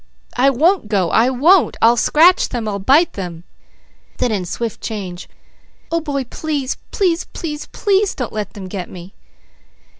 "I won't go! I won't! I'll scratch them! I'll bite them!" Then in swift change: "Oh boy, don't. Please, please don't let them 'get' me."